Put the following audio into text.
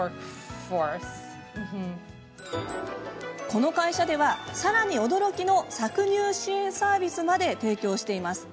この会社では、さらに驚きの搾乳支援サービスまで提供しています。